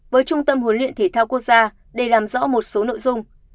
với trung tâm huấn luyện thể thao quốc gia để làm rõ một số nội dung